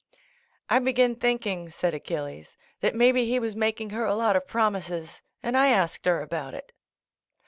"I begin, thinking," said Achilles, "that may be he was making her a lot of promises and I asked her about it."